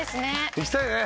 行きたいね。